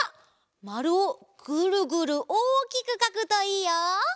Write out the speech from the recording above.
まるをぐるぐるおおきくかくといいよ！